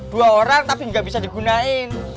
dua orang tapi enggak bisa digunain